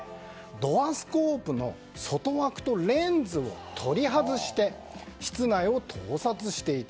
ドアスコープの外枠とレンズを取り外して室内を盗撮していた。